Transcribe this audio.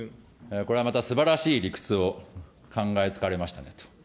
これはまたすばらしい理屈を考えつかれましたねと。